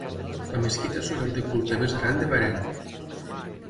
La mesquita és el lloc de culte més gran de Bahrain.